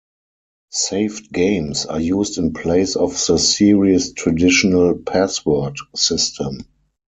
Saved games are used in place of the series' traditional password system.